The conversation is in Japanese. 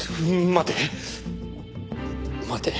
待て。